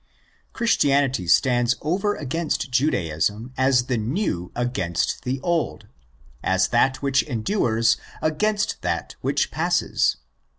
Christianity stands over against Judaism as the new against the old, as that which endures against that which passes.